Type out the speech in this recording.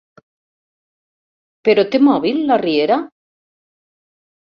Però té mòbil, la Riera?